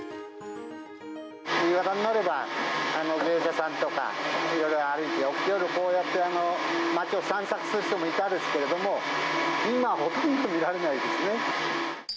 夕方になれば、芸者さんとかいろいろ歩いて、夜にこうやって街を散策する人もいたんですけれども、今はほとんど見られないですね。